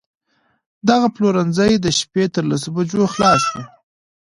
دغه پلورنځی د شپې تر لسو بجو خلاص وي